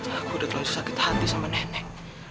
aku udah terlalu sakit hati sama nenek